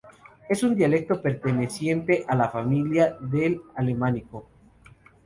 Es un dialecto perteneciente a la familia del Alemánico.